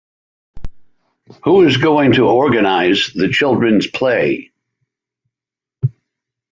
Who is going to organise the children's play?